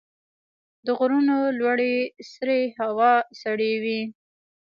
د غرونو لوړې سرې هوا سړې وي.